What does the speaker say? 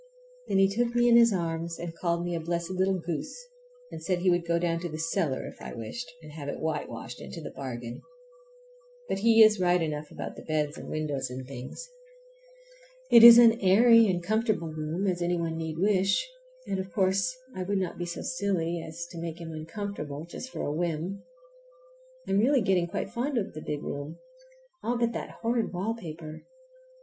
Then he took me in his arms and called me a blessed little goose, and said he would go down cellar if I wished, and have it whitewashed into the bargain. But he is right enough about the beds and windows and things. It is as airy and comfortable a room as any one need wish, and, of course, I would not be so silly as to make him uncomfortable just for a whim. I'm really getting quite fond of the big room, all but that horrid paper.